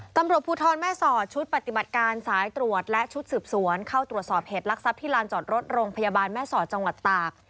ตำรวจภูทรแม่สอดชุดปฏิบัติการสายตรวจและชุดสืบสวนเข้าตรวจสอบเหตุลักษัพที่ลานจอดรถโรงพยาบาลแม่สอดจังหวัดตาก